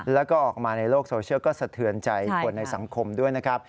แล้วก็ออกมาในโลกโซเชียลก็สะเทือนใจคนในสังคมด้วยนะครับ